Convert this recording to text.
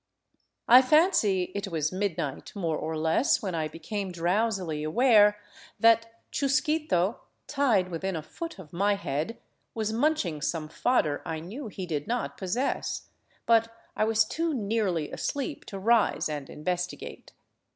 I fancy it was midnight, more or less, when I became drowsily aware that Chusquito, tied within a foot of my head, was munching some fodder I knew he did not possess ; but I was too nearly asleep to rise and investigate.